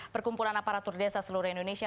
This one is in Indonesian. perkumpulan aparatur desa seluruh indonesia